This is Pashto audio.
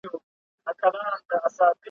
اوس د شمعي په لمبه کي ټګي سوځي `